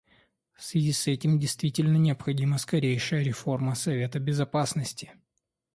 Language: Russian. В связи с этим действительно необходима скорейшая реформа Совета Безопасности.